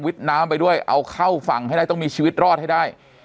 น้ำไปด้วยเอาเข้าฝั่งให้ได้ต้องมีชีวิตรอดให้ได้